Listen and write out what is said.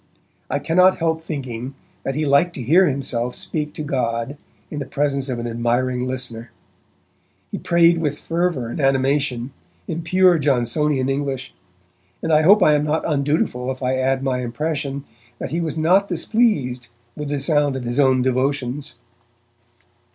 I cannot help thinking that he liked to hear himself speak to God in the presence of an admiring listener. He prayed with fervour and animation, in pure Johnsonian English, and I hope I am not undutiful if I add my impression that he was not displeased with the sound of his own devotions.